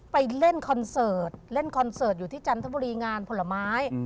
เล่นคอนเสิร์ตเล่นคอนเสิร์ตอยู่ที่จันทบุรีงานผลไม้